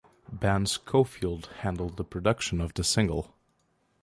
Ben Schofield handled the production of the single.